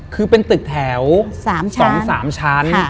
คือเป็นตึกแถว๒๓ชั้น